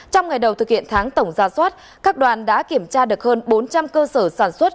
trong ngày đầu thực hiện tháng tổng ra soát các đoàn đã kiểm tra được hơn bốn trăm linh cơ sở sản xuất